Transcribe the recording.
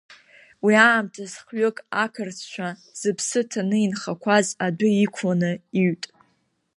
Уи аамҭаз хҩык ақырҭцәа, зыԥсы ҭаны инхақәаз, адәы иқәланы иҩт.